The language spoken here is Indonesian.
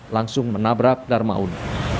langsung menabrak dharmaun